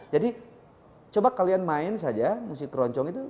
jadi coba kalian main saja musik keroncong itu